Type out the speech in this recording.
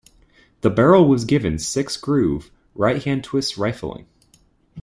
The barrel was given six-groove, right-hand-twist rifling.